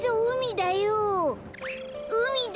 うみだ！